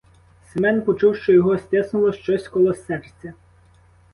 Семен почув, що його стиснуло щось коло серця.